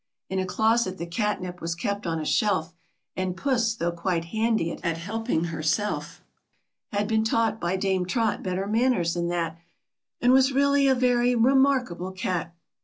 In a closet the catnip was kept on a shelf And Puss, though quite handy at helping herself, Had been taught by Dame Trot better manners than that, And was really a very remarkable cat.